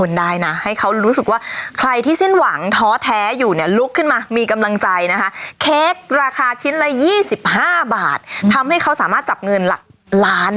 นะคะเค้กราคาชิ้นละยี่สิบห้าบาทอืมทำให้เขาสามารถจับเงินหลักล้าน